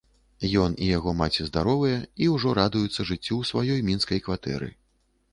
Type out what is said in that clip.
Ён і яго маці здаровыя і ўжо радуюцца жыццю ў сваёй мінскай кватэры.